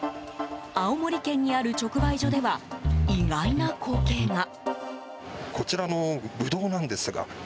青森県にある直売所では意外な光景が。